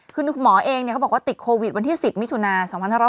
คือคุณหมอเองเขาบอกว่าติดโควิดวันที่๑๐มิถุนา๒๕๖๐